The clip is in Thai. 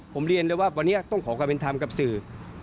ผมเรียนเลยว่าวันนี้ต้องขอความเป็นธรรมกับสื่อ